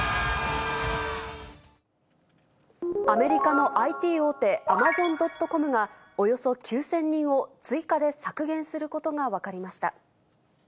アメリカのＩＴ大手、アマゾン・ドット・コムが、およそ９０００人を追加で削減することが分かりました。